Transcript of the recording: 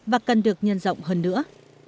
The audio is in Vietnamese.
và cần được nhân rộng hơn nữa